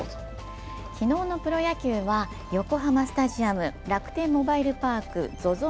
昨日のプロ野球は横浜スタジアム、楽天モバイルパーク、ＺＯＺＯ